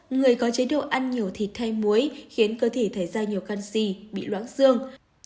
người có chế độ ăn nhiều thịt thay muối khiến cơ thể ra nhiều canxi bị loáng xương